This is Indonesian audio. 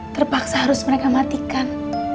terpaksa harus mereka matikan